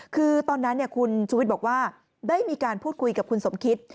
คือตอนนั้นคุณชูวิทย์บอกว่าได้มีการพูดคุยกับคุณสมคิต